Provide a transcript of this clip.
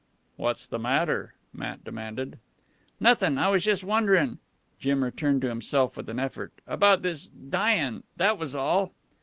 "What's the matter!" Matt demanded. "Nothin'. I was just wonderin'" Jim returned to himself with an effort "about this dyin', that was all."